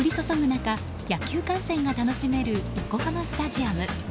中野球観戦が楽しめる横浜スタジアム。